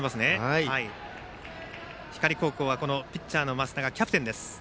光高校はピッチャーの升田がキャプテンです。